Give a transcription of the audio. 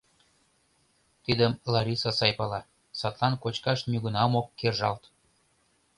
Тидым Лариса сай пала, садлан кочкаш нигунам ок кержалт.